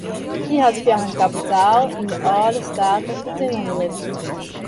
Hy hat foar in kapitaal yn de âlde state fertimmerje litten.